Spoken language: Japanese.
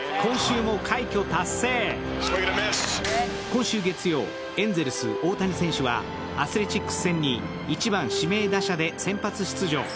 今週月曜、エンゼルス・大谷選手はアスレチックス戦に１番・指名打者で先発出場。